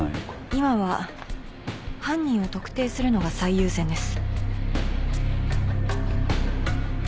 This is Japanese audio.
今は犯人を特定するのが最優先です。